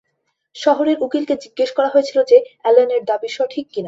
শহরের উকিলকে জিজ্ঞেস করা হয়েছিল যে, অ্যালেনের দাবি সঠিক কি না।